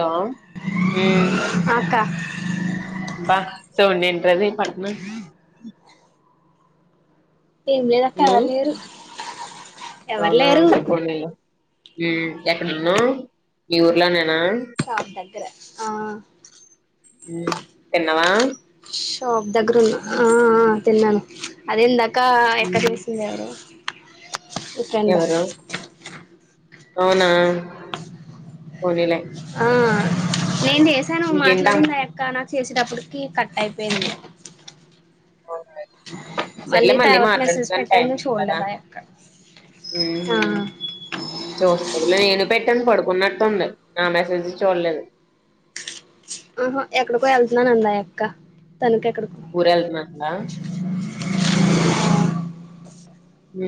డ హ్మ్ అక్క బా సో నింటదే పట్న ఏం లేదు అక్క మ్మ్ ఎవరు లేరు ఎవరు లేరు ఏ క్యాట్ ఉన్నా మీ ఊర్ల నే న షాప్ దగ్గర ఆ మ్మ్ తిన్నవా షాప్ దగ్గర ఉన్నా ఆ ఆ ఆ తిన్నాను. అదెంక్క క్క ఎక్కడ మ్మ్ తిసిందెవరు నీ ఫ్రెండా ఎవరు అవునా పోనీలే ఆ నేను చేసాను ఇంకేంటం మాట్లాడిందా ఆయక్క నాకు చే టప్పటికి కట్ అయిపోయింది. సర్లే మళ్ళీ తర్వాత మెసేజ్ మాట్లాదువుగాని టైం పెట్టాను నువ్వు ఉంది కదా చూడలేదు ఆ యక్క ఆ మ్ చూస్తది లే [unintelligible] పెట్టని పడుకున్నట్టుంది నా మెసేజ్లు చూడలేదు ఉహు ఎక్కడికో వెళ్తున్నానంది ఆ యక్క తనకేక్కడికో ఊరెళ్తున్నట్టుందా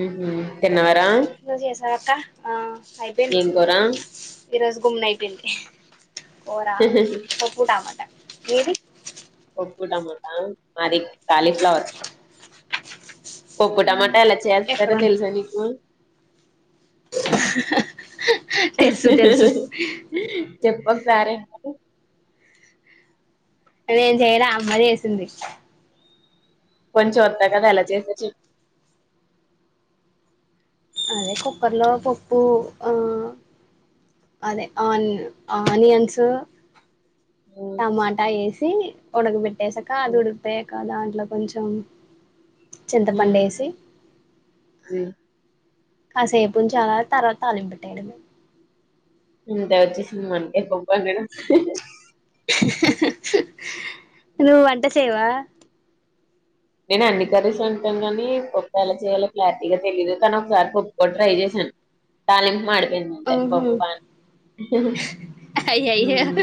ఉహు తిన్నారా నువ్వు చేశావక్క అ ఏం కురా ఈ రోజు గుమ్నా అయిపోయింది. కూర పప్పు టమాటా ఏవి పప్పు టమాటా మాది కాలీఫ్లవర్ పప్పు టమాటా ఎలా ఎక్కడ చేస్తారో తెలుసా నీకు తెలుసు తెలుసు చెప్ప ఒకసారే నేను చేయలా అమ్మా చేసింది కొంచెం వత్తాయ్ కదా ఎలా చేసావ్ చె అదే కుక్కర్లో పప్పు ఉ అదే ఆని ఆనియన్స్ చెప్పు టమాటా ఏసి ఉనకు మట్ చేసాక అది ఉడికిపోయాక దాంట్లో కి కొంచం హ్మ్ చింతపండేసి హ్మ్ కాసేపు ఉంచాలా తర్వాత తాలింపెట్టాయడమే అంత వచ్చేసింమంటే పంపాం గదా నువ్వు వంట చేయవా నేను అన్ని కర్రీస్ వండుతాను కాని పప్పు ఎలా చేయాలో క్లారిటీగా తెలీయదు తను ఒకసారి పప్పు కూడా ట్రై చేశాను తాలింపు మాడి ఉహు అయి అయ్యో హ్మ్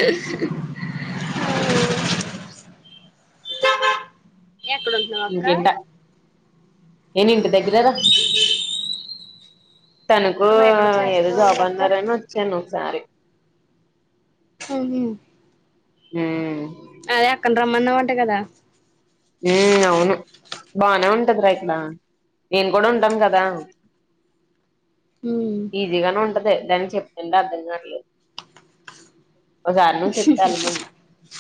ఎక్కడుంటున్నావక్క ఇంకేంట నేను ఇంటి దగ్గరరా తనకు ఆహా ఎక్కడో ఏదో చేస్తున్నావు ఉంది జాబ్ అక్క అన్నారని వచ్చాను సరే ఆహ హ అదే అక్కన్ రమ్మన్నా వంటకదా ఉ అవును బానే ఉంటదిరా ఇక్కడ నేను కూడా ఉంటాన్ కదా ఉమ్ ఈజీగాన ఉంటది ని చెప్పతుంటే అర్ధం కాట్లే ఒకసారి ను చెప్తాలి మ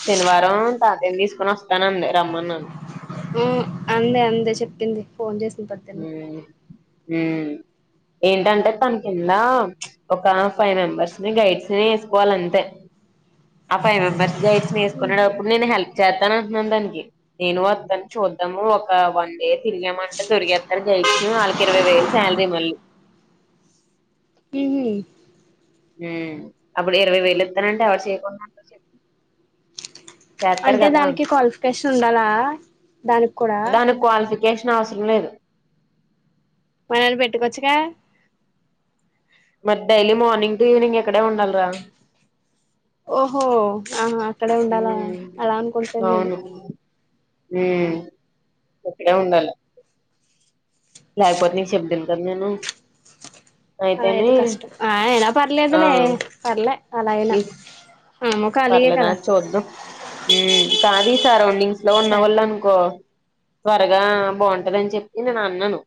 శనివారం తాతేం తీసుకొని వస్త రానందే తమన్న ఆ అందే అందే చెప్పింది అ ఫోన్ చేసిన పెద్దన్న ఉమ్ ఏంటంటే తన కింద ఒక ఫైవ్ మెంబర్స్ ని గైడ్స్ ని వేసుకోవాలి అంతే ఆ ఫైవ్ మెంబర్స్ గైడ్స్ వేసుకునేటప్పుడు నేను హెల్ప్ చేస్తాను అంటున్నాను దానికి నేను వద్దాని చూద్దాము ఒక వన్ డే తిరిగామంటే దొరికేస్తారు గైడ్స్ వాళ్ళకి ఇరవై వేలు సాలరీ మళ్ళీ మ్హూ అప్పుడు ఇరవై వేలు ఇత్తానంటే ఎవరు చేయకుండా చెయాకుండా ఉంటారు చెప్పు అంటే దానికి క్వాలిఫికేషన్ ఉండాలా దాని దానికి కావా చేసిన అవసరం లేదు మనల్ని పెట్టుకోవచ్చుగా మ డైలీ మార్నింగ్ టు ఈవిెనింగ్ ఓహో ఆ అక్కడే ఉండాల ఉమ్, అలా అనుకుంట లేను నేను అవును ఇక్కడే ఉండాల లేపోతే చెబ్ రమ్యను అలా ఐతే కష్టం ఆ అయినా ఆ పలేదులే పర్లే అలాయినా ఈ పర్లేదా చోద్దం కాదిీ సరౌండింగ్స్ ఇలా ఉన్నా సరే వాళ్ళు అనుకో త్వరగా బాగుంటదని చెప్పి నేను అన్నాను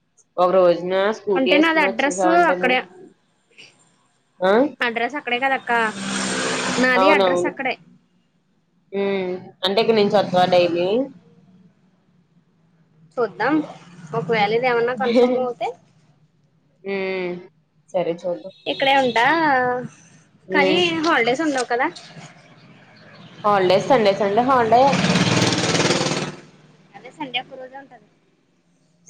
ఒక రోజు నిన్న స్కూటీ అంటే నాది వేసుకుని అడ్రస్ వచ్చేసావంట నువు అక్కడే ఆ అడ్రస్ అక్కడే కదక్క నాది అడ్రస్ అక్కడే మ్ అంటే ఇక నుంచి వత్తావా డైలీ చూద్దాం ఒకవేళ ఇదేమన్నా కన్ఫర్మవుతే మ్ సరే చూద్దాం టా కనీ ఉమ్ హాల్డేస్ ఉండవ్ కదా హల్డే సండే సండే హల్డే అదే సండే ఒక రోజే ఉంటది.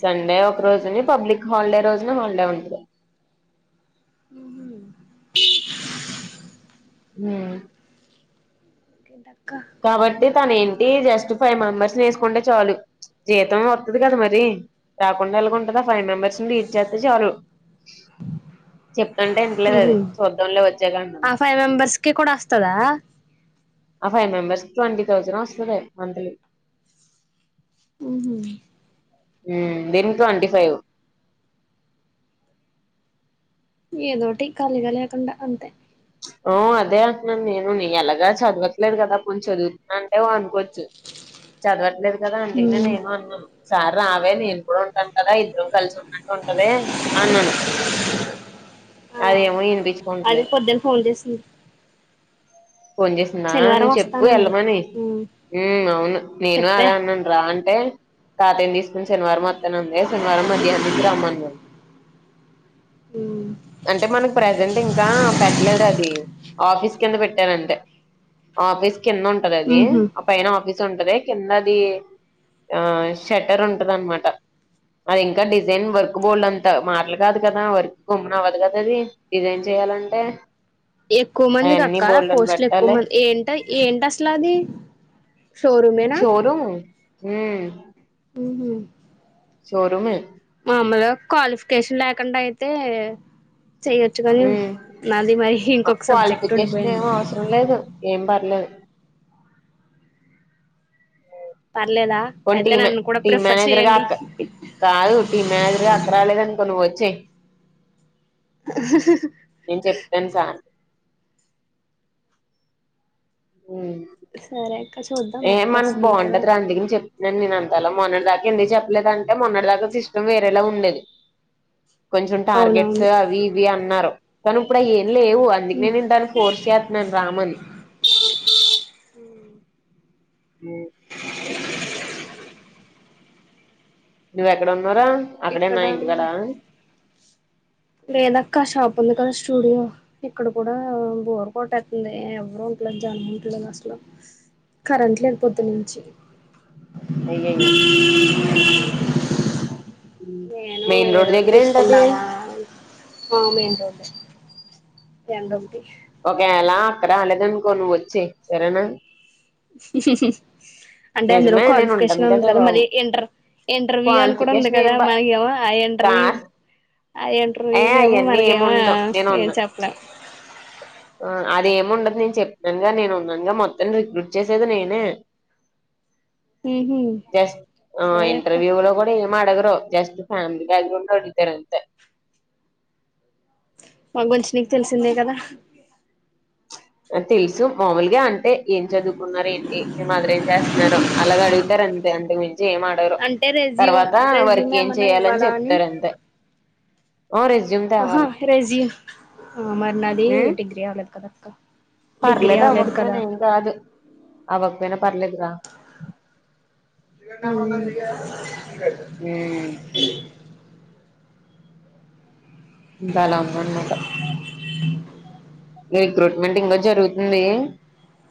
సండే ఒక రోజుని పబ్లిక్ హాల్డే రోజున హాల్డే ఉంటద హ్ హ్ తింట కాబట్టి తన్ ఏం టీ జస్ట్ ఫైవ్ మెంబర్స్ని ఏస్కుంటే చాలు జీతం వత్తది కదా మరి రాకుండా ఎల్గుందట ఆ ఫైవ్ మెంబర్ [unintelligible] చేస్తే చాలు చెప్తుంటే ఇంటలేద్ అది చూద్దాంలే వచ్చాక అం ఆ ఫైవ్ మెంబర్స్ కి కూడా వస్తదా మెంబర్స్ ట్వంటీ తౌసండ్ వస్తద మంత్లీ ఉహ్ దీన్క్ ట్వంటీ ఫైవ్ ఏదోటి ఖాళీగా లేకుండా అంతే ఓ అదే అంటున్నాను నేను నీ ఎలగా చదవట్లేదు కదా కొంచెం చదువుతున్నా అంటే కోచ్చు. చదవట్లేదు కదా అందుకనే నేను అన్నాను. సార్ రావే నేన్ కూడా ఉంటాను కదా ఇద్దరం కల్సు ఉన్నట్టు ఉంటది అన్నాను. ఆ అదే ఏమో అదే ఇన్పిచ్కుంటలేద్ పొద్దున్న ఫోన్ చేసింది ఫోన్ చేసిందా నువ్వు శనివారం చెప్పు వస్తానంది ఎళ్ళమని మ్ అవును నేను చెప్పా అదే అన్నాను రా అంటే తాతయ్యన్ తీస్కుని శనివారం వ నన్నే శనివారం మధ్యాహ్నం నుంచి రంమన్నారు అంటే మనక్ ప్రజెంట్ ఇంకా పెట్టలేద్ అది ఆఫీస్ కింద పెట్ ట్టానంతే ఆఫీస్ కిందుంటదది ఆ పైన ఆఫీస్ ఉంటది కింద అది ఆ షటర్ ఉంటదన్మాట. అది ఇంకా డిజైన్ వర్క్ బోర్డులంతా మాటల్ కాదు కదా వర్క్ గమ్మున అవ్వదు కదా అది డిజైన్ చేయాలంటే ఎక్కువ మంది అయన్నీ కక్క బోల్డ్ అని పోస్ట్లు ఎక్కువ పెట్టాలి మంది ఏంట ఏంటి అసలు అది షోరూమేనా ఆ షోరూమే మామలుగా క్వాలిఫికేషన్ లేకుండా అయితే చెయొచ్చు కానీ ఉమ్ నాది మరి ఇంకొక సబ్జెక్ట్ క్వాలిఫికేషన్ ఏం ఉండిపోయింది అవసరం ఏం లేదు పర్లేదా కొన్ని టీ అయితే మే నన్ను కూడా టీమ్ ప్రిఫర్ మేనేజర్ గా చేయండి అక్క కాదు టీమ్ మేనేజర్ గా అక్క రాలేదనుకో నువ్ వ చేే నేను చెప్తాను సార్ కి ఉహ్ సరే అక్క చూద్దాం మక్కు వస్తుంది కదా నన్ నేను అంతలో మొన్నడి దాకా ఎందుకు చెప్పలేదుంటే మొన్నడి దాకా సిస్టమ్ వేరేలా ఉండేది. కొంచెం టార్గెట్స్ అవునవును అవి ఇవి అన్నారు. కనుపుడ ఏ లేవు అందుకునే నేను దానికి ఫోర్స్ చేస్తున్నాను రామని మ నువ్ ఎక్కడ ఉన్నావ్ అన్నార అక్కడే ఇక్కడ నా ఇంటి కాడా లేదాక్క షాప్ ఉంది కదా స్టూడియో ఇక్కడ కూడా బోర్ కొట్టెతుంది ఎవరు ఉంటలే జనం ఉంటలేదు అసలు కరెంట్ లేదు పోద్దునుంచి అయ్యయ్యో అ నేను మెయిన్ రోడ్ ఏదోటి దగ్గరే ఏంటది చూసుకున్నాకుందామ మా మెయిన్ రోడ్ ఎండొకటి ఓకే ఎలా అక్కడ రాలేదనుకో నువ్వు వచ్చే సరేనా సే అంటే అందులో నిజమే నేను క్వాలిఫికేషన్ ఉంటాను ఉంది కదా బాబు మరి ఇంటర్ ఇంటర్వ్యూ అని కూడా ఉంది క్వాలిఫికేషన్ కదా ఏం బా మరి ఏమో ఆ కా ఇంటర్వ్యూ ఆ ఏ ఇంటర్వ్యూలు ఏమో అయన్నీ ఏమి మనకెమో ఉండవు నేను ఏం ఉన్నా చెప్పలేం ఎమ్ ఉండదు నేను చెప్పినానుగా నేను ఉన్నానుగా మొత్తం రిక్రూట్ చేసేది నేనే ఉహు జస్ ఆహ్ సరే అక్క ఇంటర్వ్యూ లో కూడా ఎమ్ ఏం అడగరు జస్ట్ ఫ్యామిలీ బ్యాక్‌గ్రౌండ్ అడుగుతారు అంతే మా మంచి నీకు తెలిసిందే కదా తెలుసు మాముూలుగా అంటే ఏం చదువుకున్నారు ఏంటి మేము మదర్ ఏం చేస్తున్నారు అలాగ అడుగుతారు అంతే అంతకు మించ అంటే రెజ్యూమ్ రెజ్యూమ్ వర్క్ ఏం ఏమన్నా చెయాలని ఇవ్వాలా అని చెప్తారు అంతే ఓ రెజ్యూమ్ ఆహా తేవాలి రెజ్యూమ్ మరి నాది ఉమ్ డిగ్రీ అవలేదు కదా క్కా పర్లేదు అవ్వకపోయినా ఏం కాదు. అవ్వకపోయినా పర్లేదు రా. ఉమ్ ఇ ఉ బాల ఉందన్మాట. రిక్రూట్మెంట్ ఇంగా జరుగుతుంది.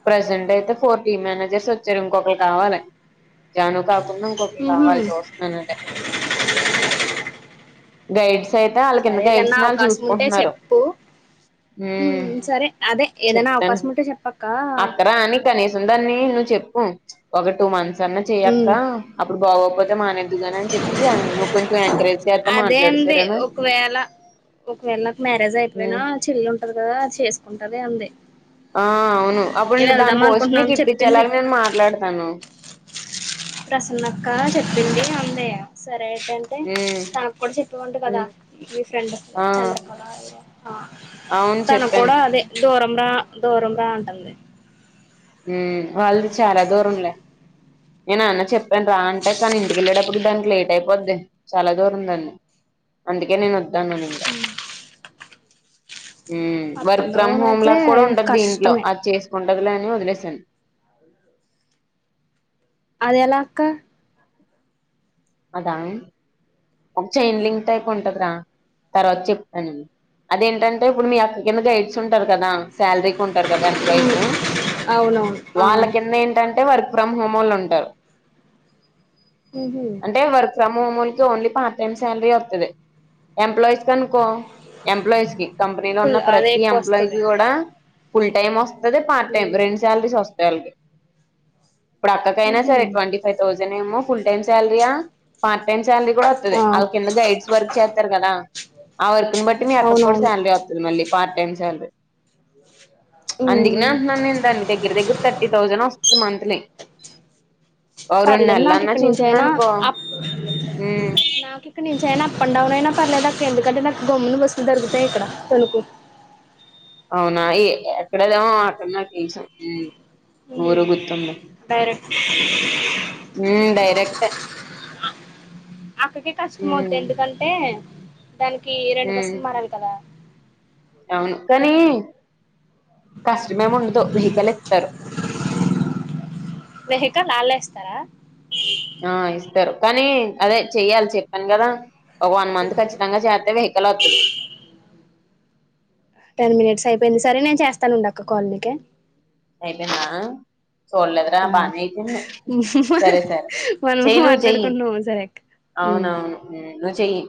ప్రజెంట్ అయితే ఫోర్ టీం మ్యానేజర్స్ వచ్చారు. ఇంకొకలు కావాలె. చాను కాక్ పన్నమికొకటి ఉహు కావాలి చూస్తున్నానంతె. గైడ్స్ తేట అల్లకింద సరే గైడ్స్ ఏదన్నా ని ఆళ్ళు అవకాశం ఉంటే చూస్కొట్నరు. మ్మ్ సరే అదె ఏదైనా అవకాశం ఉంటే చెప్పక్ అక్కరా అన్ని కనీసం దాన్ని నువ్ చెప్ పు ఒక టూ మంత్స్ స్ అన్న చెయ్యక్క ఉమ్ అప్పుడు బాగోకపోతే మానేద్దుగాని అని చెప్పి, నువ్వు కొంచం ఎంకరేజ్ చేస్తా అదే మాట్లాడు అండి! సరేనా ఒకవేళ ఒకవేళ, నాకు మ్యారేజ్ అయిపోయినా ఉమ్ చెల్లుంటది కదా! చేసు కుంటది అంది. ఆ అవును నేను అప్పుడుండే దాని వెళ్దాం పోస్ట్ అనుకుంటున్నాం చెప్పింది నికిప్పిచ్చాలని నేను మాట్లాడతాను. ప్రసన్నక్క చెప్పింది. అందయ్య సర్ లేటంటే ఉమ్ తనక్కూడా చెప్పావంట కదా! ఉమ్ మీ ఫ్రెండ్ కి ఆ చంద్రకళ ఎవరో! అవును చెప్పాను తనక్కూడా అదే దూరం రా దూరం రా అంటంది. మ్మ్ వాళ్ళది చాలా దూరంలే! నే నాన్నక్ చెప్పాన్ రా అంటే కానీ ఇంటికెళ్ళేటప్పుడు దానికి లేట్ అయిపోద్ది. చాలా దూరం దాన్ అందుకే నేను వద్దానను ఇంకా. మ్మ్ up work and from down home అయితే లాక్కూడా ఉంటది దీంట్లో కష్టమే అది చేసుకున్ టగదులే అని వదిలేస్ సెన్ అదెలా అక్క? అదా ఒక చైన్ లింక్ టైప్ ఉంటదరా తర్వాత చెప్తాను. అదేంటంటే, ఇప్పుడు మీ అక్క కింద గైడ్స్ ఉంటారు కదా! శాలరీకి ఉంటారు కదా! వయసు. అవునవును ఆ వాళ్ళ కింద ఏంటంటే వర్ ఫ్రమ్ హోమోల్ ఉంటారు. అంటే వర్క్ ఫ్రమ్ మోమోల్కి ఓన్లీ పార్ట్ టైం స్యాలరీ వొత్తది. ఎంప్లాయిస్ కనుకో ఎంప్లాయిస్ కి. కంపెనీలో ఉన్న ఫుల్ అదే ప్రతి ఎక్కువ ఎంప్లాయ్ కి వస్తది కూడా ఫుల్ టైమ్ వొస్ అదే పార్ట్ టైమ్ రెండు సాలరీసొస్ తెల్గే ఇప్పుడక్కకైనా ఉహు సరే ట్వంటీ ఫైవ్ థౌసండ్ ఏమో ఫుల్ టైం స్ పార్ట్ టైమ్ సాలరీ కూడా వతది. ఆ వాళ్ళ కింద గైడ్స్ వర్క్ చేతరు కదా ఆ వర్క్ని బట్టి మీ అక్క కూడా అవునవును శాలరీ వతది మళ్ళీ పార్ట్ టైం సల్రీ అందుకనే ఉమ్ అంటున్నాను నేను దాన్ని దగ్గర దగ్గర థర్టీ థౌజండ్. మంత్లీ. ఓ రెండు నెల్లన్నా చూసు చేయనా నాకు ఇక్కడ చేయన అప్ అండ్ డౌన్ అయినా పర్లేదు నాకు ఎందుకంటే నాకు గమ్మున బస్సులు దొరుకుతాయి ఇక్కడ తణకు అవునా ఎక్కడదేమో అక్కడ నా తెలుసు ఉమ్ ఊరు గుర్తుంది డైరెక్ట్ ఉమ్ డైరెక్టే అక్కకి కష్టం అవుది ఉమ్ ఎందుకంటే దానికి రెండు ఉమ్ బస్సులు మారాలి కదా. అవును కానీ కస్టమేము ఉండదు వెహికల్ సర [unintelligible] వెహికల్ అల్లే ఇస్తారా. ఆ ఇస్తారు కానీ అదే చెయ్యాలి చెప్పాను కదా. ఒక వన్ మంత్ ఖచ్చితంగా చేతే వెహికల్ వతది. టెన్ మినిట్స్ అయిపోయింది సరే నేను చేస్తాను ఉండక్క కాల్ నీకే అయిపోయిందా చూడలేదురా ఆ బానే అయితుంది. సరే సరే మనము చెయ్యి నువ్వు చెయ్యి మాట్లాడుకుంటున్నాము సరే అక్క ఉమ్ అవునవును నువ్వు చెయ్యి.